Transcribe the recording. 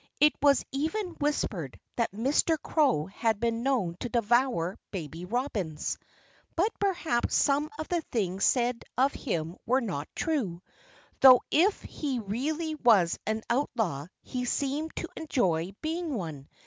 It was even whispered that Mr. Crow had been known to devour baby robins. But perhaps some of the things said of him were not true. Though if he really was an outlaw he seemed to enjoy being one.